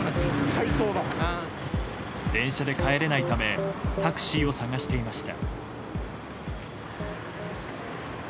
電車で帰れないためタクシーを探していました。